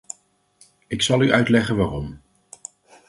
Ik zal u uitleggen waarom.